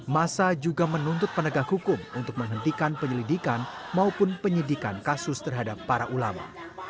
masa juga menuntut penegak hukum untuk menghentikan penyelidikan maupun penyidikan kasus terhadap para ulama